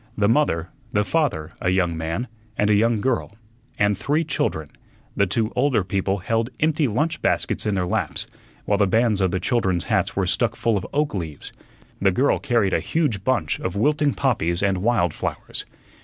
The mother, the father, a young man, and a young girl, and three children. The two older people held empty lunch baskets in their laps, while the bands of the children's hats were stuck full of oak leaves. The girl carried a huge bunch of wilting poppies and wild flowers.